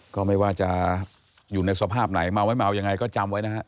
ก็ไม่ว่าจะอยู่ในสภาพไหนเมาไม่เมายังไงก็จำไว้นะฮะ